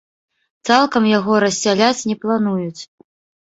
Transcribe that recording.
Цалкам яго рассяляць не плануюць.